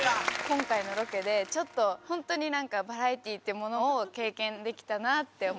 今回のロケでちょっと本当になんかバラエティーってものを経験できたなって思って。